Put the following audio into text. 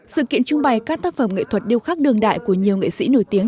sự kiện trưng bày các tác phẩm nghệ thuật điêu khắc đường đại của nhiều nghệ sĩ nổi tiếng